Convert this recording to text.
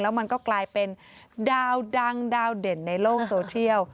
มันก็กลายเป็นดาวดังดาวเด่นในโลกโซเชียล